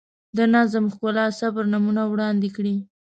د نظم، ښکلا، صبر نمونه وړاندې کړي.